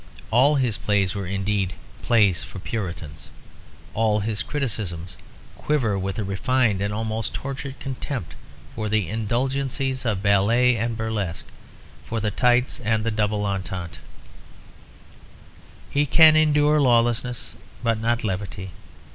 All his plays were indeed "plays for Puritans." All his criticisms quiver with a refined and almost tortured contempt for the indulgencies of ballet and burlesque, for the tights and the double entente. He can endure lawlessness but not levity.